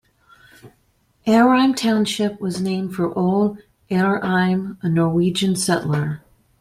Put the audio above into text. Hereim Township was named for Ole Hereim, a Norwegian settler.